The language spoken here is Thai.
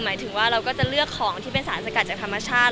หมายถึงว่าเราก็จะเลือกของที่เป็นสารสกัดจากธรรมชาติ